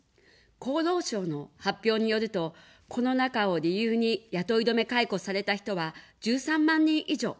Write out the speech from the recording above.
厚労省の発表によると、コロナ禍を理由に雇い止め解雇された人は１３万人以上。